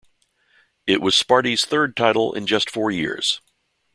It was Sparty's third title in just four years.